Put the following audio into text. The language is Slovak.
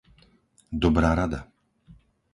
Dobrá rada...